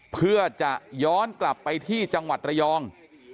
เพื่อจะย้อนกลับไปที่จังหวัดระยอง